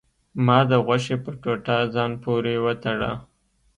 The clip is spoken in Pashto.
ما د غوښې په ټوټه ځان پورې وتړه.